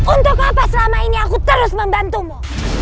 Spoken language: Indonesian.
untuk apa selama ini aku terus membantumu